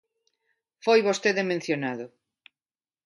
Foi vostede mencionado.